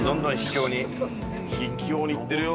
秘境に行ってるよ